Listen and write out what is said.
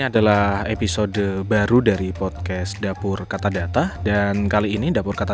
dapur kata data podcast